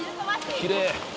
きれい。